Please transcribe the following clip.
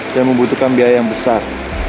dan membutuhkan biaya yang besar